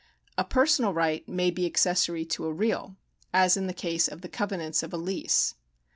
A personal right may be accessory to a real ; as in the case of the covenants ol" a lease.